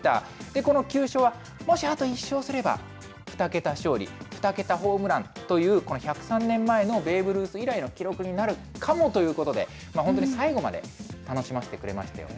この９勝はもしあと１勝すれば、２桁勝利、２桁ホームランという、この１０３年前のベーブ・ルース以来の記録になるかもということで、本当に最後まで楽しませてくれましたよね。